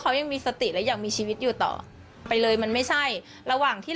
เขายังมีสติและยังมีชีวิตอยู่ต่อไปเลยมันไม่ใช่ระหว่างที่